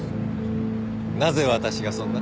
なぜ私がそんな。